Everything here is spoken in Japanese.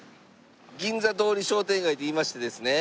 銀座通り商店街といいましてですね。